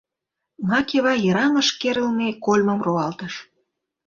— Макева йыраҥыш керылме кольмым руалтыш.